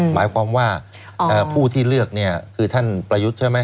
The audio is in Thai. หมายความว่าผู้ที่เลือกเนี่ยคือท่านประยุทธ์ใช่ไหม